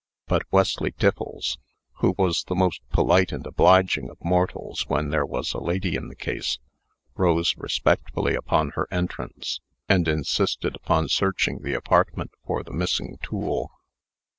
But Wesley Tiffles, who was the most polite and obliging of mortals when there was a lady in the case, rose respectfully upon her entrance, and insisted upon searching the apartment for the missing tool.